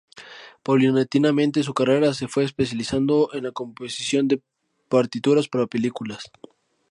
Paulatinamente su carrera se fue especializando en la composición de partituras para películas.